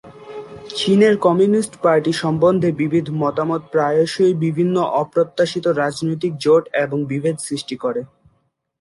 চীনের communist party সম্বন্ধে বিবিধ মতামত প্রায়শই বিভিন্ন অপ্রত্যাশিত রাজনৈতিক জোট এবং বিভেদ সৃষ্টি করে।